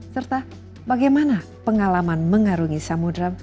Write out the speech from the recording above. serta bagaimana pengalaman mengarungi samudera